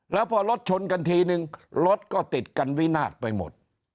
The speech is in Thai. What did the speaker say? แล้วพอรถชนกันทีนึงรถก็ติดกันวินาศไปหมด